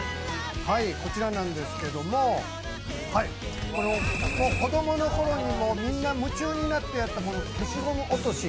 こちらなんですけども子供のころにみんな夢中になったもの消しゴム落とし。